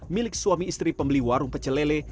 milik suami istri pembeli warung pecelele